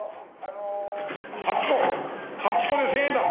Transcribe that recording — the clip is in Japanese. ８個８個で１，０００円だ。